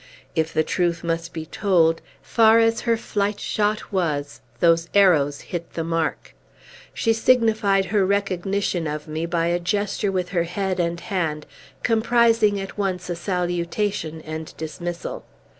If the truth must be told, far as her flight shot was, those arrows hit the mark. She signified her recognition of me by a gesture with her head and hand, comprising at once a salutation and dismissal.